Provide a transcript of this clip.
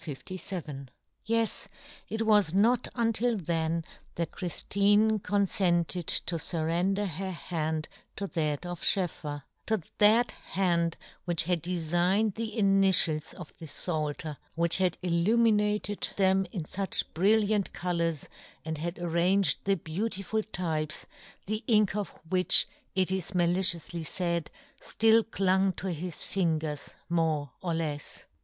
^^% it was not until then that Chriftine confented to fur render her hand to that of SchoefFer — to that hand which had deligned the initials of the Pfalter, which had il luminated them in fuch brilliant colours, and had arranged the beau tiful types, the ink of which, it is malicioufly faid, ftill clung to his fingers more or lefs.